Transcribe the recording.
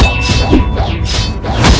mereka semua berpikir seperti itu